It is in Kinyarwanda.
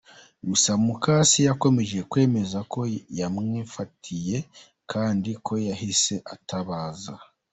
Gusa mukase yakomeje kwemeza ko yamwifatiye kandi ko yahise atabaza.